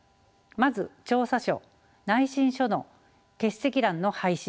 まず調査書内申書の欠席欄の廃止です。